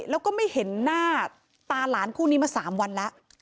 แล้วก็ไม่เห็นหน้าตาหลานคู่นี้มา๓วันแล้ว